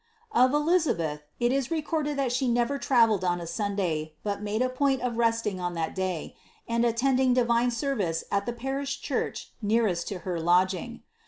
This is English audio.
Of Elizabeth, it is recorded that she never travelled on a Sunday, but made a point of resting on that day, and attending divine service at the parish church nearest to her lodging.